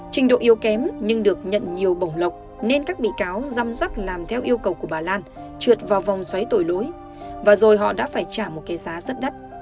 trình độ yếu kém nhưng được nhận nhiều bổng lộc nên các bị cáo giam dắt làm theo yêu cầu của bà lan trượt vào vòng xoáy đổi và rồi họ đã phải trả một cái giá rất đắt